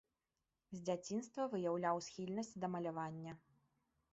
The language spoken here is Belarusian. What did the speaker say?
З дзяцінства выяўляў схільнасць да малявання.